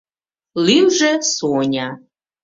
Лӱмжӧ Соня.